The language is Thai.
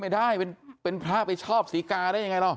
ไม่ได้เป็นพระไปชอบศรีกาได้ยังไงหรอ